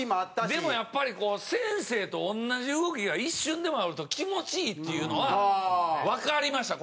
でもやっぱりこう先生と同じ動きが一瞬でもあると気持ちいいっていうのはわかりました